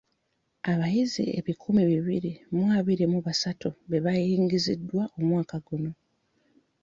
Abayizi ebikumi bibiri mu abiri mu basatu be baayingizibwa omwaka ogwo.